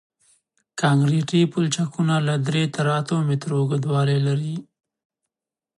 کانکریټي پلچکونه له درې تر اتو مترو اوږدوالی لري